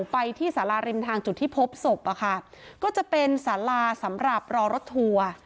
ไปที่สาราริมทางจุดที่พบศพอะค่ะก็จะเป็นสาราสำหรับรอรถทัวร์